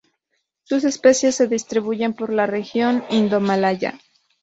Sus especies se distribuyen por la región indomalaya.